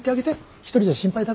一人じゃ心配だから。